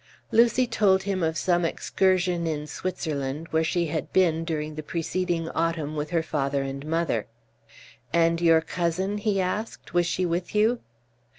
Lucy told him of some excursion in Switzerland, where she had been during the preceding autumn with her father and mother. "And your cousin," he asked, "was she with you?"